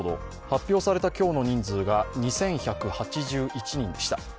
発表された今日の人数が２１８１人でした。